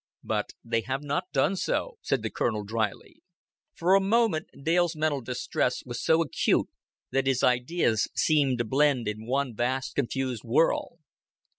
"But they have not done so," said the Colonel dryly. For a moment Dale's mental distress was so acute that his ideas seemed to blend in one vast confused whirl.